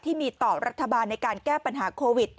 ที่มีต่อรัฐบาลในการแก้ปัญหาโควิด